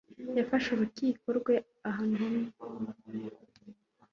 Yafashe urukiko rwe ahantu hamwe